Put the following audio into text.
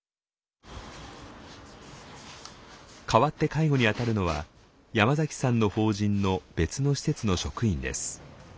かわって介護にあたるのは山崎さんの法人の別の施設の職員です。